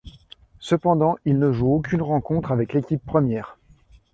Cependant il ne joue aucune rencontre avec l'équipe première.